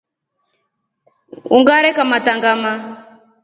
Ungare kamata ngama.